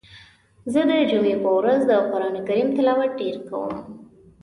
زه د جمعی په ورځ د قرآن کریم تلاوت ډیر کوم.